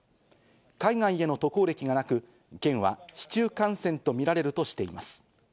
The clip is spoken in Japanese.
海外への渡航歴がなく、県は市中感染と見られるとしています。